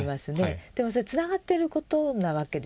でもつながってることなわけですね。